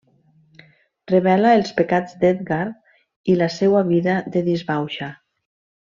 Revela els pecats d'Edgar i la seua vida de disbauxa.